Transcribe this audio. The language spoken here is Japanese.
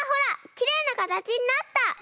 きれいなかたちになった！